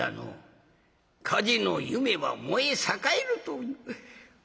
火事の夢は燃え栄えるという。